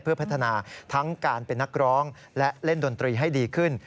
เพื่อพัฒนาทั้งการเป็นนักร้องและเล่นดนตรีให้ดีขึ้น